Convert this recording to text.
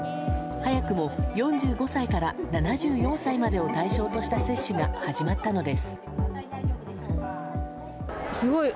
早くも４５歳から７４歳までを対象とした接種が始まったのです。